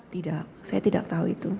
tidak saya tidak tahu itu